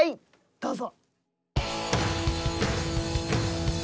どうぞ。